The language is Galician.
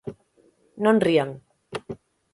¡Non rían!